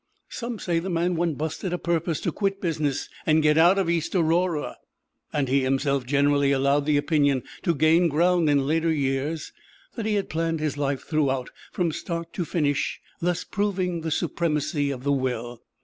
Some say the man went busted a purpose to quit business and get out of East Aurora. And he himself generally allowed the opinion to gain ground in later years that he had planned his life throughout, from start to finish, thus proving the supremacy of the will.